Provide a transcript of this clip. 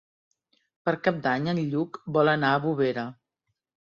Per Cap d'Any en Lluc vol anar a Bovera.